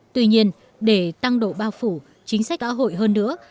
tuy nhiên để tăng độ bao phủ chính sách xã hội hơn nữa